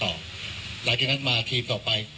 หลังจากนั้นมาทีมต่อไป